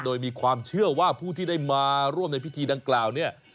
โดยมีความเชื่อว่าผู้ที่ได้มาร่วมในพิธีดังกล่าวเนี่ย